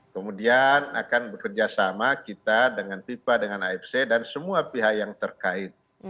kemudian akan bekerja sama kita dengan fifa dengan afc dan semua pihak yang terkait